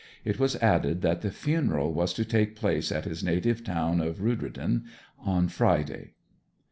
It was added that the funeral was to take place at his native town of Redrutin on Friday.